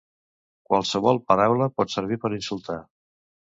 Qualsevol paraula pot servir per insultar.